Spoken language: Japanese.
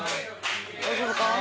大丈夫か？